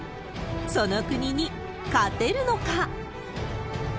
その国に勝てるのか？